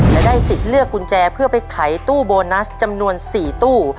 จะได้สิทธิ์เลือกกุญแจเพื่อไปขายตู้โบนัสจำนวน๔ตู้